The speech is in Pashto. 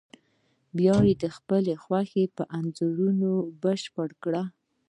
بیا یې د خپلې خوښې په انځورونو بشپړ کړئ.